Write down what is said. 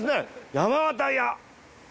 山形屋。